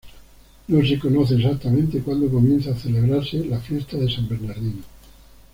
No se conoce exactamente cuándo comienza a celebrarse la Fiesta de San Bernardino.